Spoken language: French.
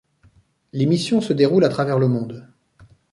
Les missions se déroulent à travers le monde...